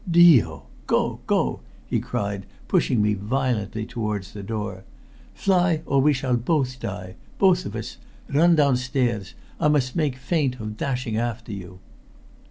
"Dio! Go! Go!" he cried, pushing me violently towards the door. "Fly, or we shall both die both of us! Run downstairs. I must make feint of dashing after you."